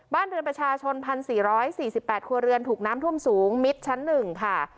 บ้านเรือนประชาชน๑๔๔๘ครัวเรือนถูกน้ำท่วมสูงมิดชั้น๑ค่ะ